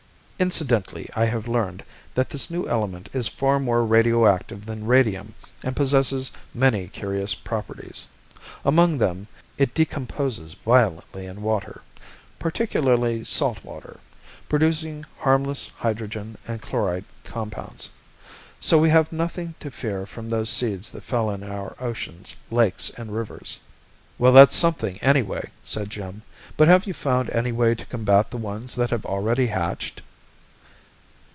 "Incidentally, I have learned that this new element is far more radioactive than radium and possesses many curious properties. Among them, it decomposes violently in water particularly salt water producing harmless hydrogen and chloride compounds. So we have nothing to fear from those seeds that fell in our oceans, lakes and rivers." "Well, that's something, anyway," said Jim. "But have you found any way to combat the ones that have already hatched?"